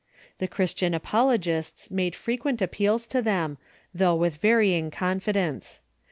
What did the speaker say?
The Christian apologists made frequent ap peals to them, though with varying confidence.